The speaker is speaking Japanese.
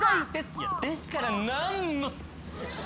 いやですから何の！